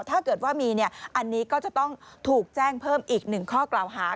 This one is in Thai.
ถ้าเกิดว่ามีอันนี้ก็จะต้องถูกแจ้งเพิ่มอีก๑ข้อกล่าวหา